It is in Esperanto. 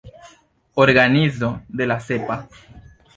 Organizo de la Sepa.